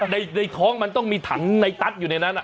ในท้องมันต้องมีถังในตั๊ดอยู่ในนั้น